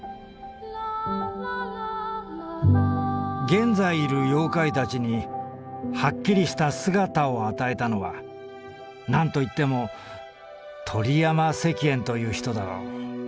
「現在いる妖怪たちにはっきりしたすがたをあたえたのはなんといっても鳥山石燕という人だろう。